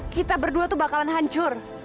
kita berdua tuh bakalan hancur